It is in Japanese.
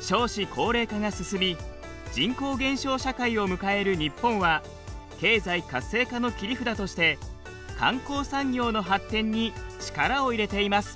少子高齢化が進み人口減少社会を迎える日本は経済活性化の切り札として観光産業の発展に力を入れています。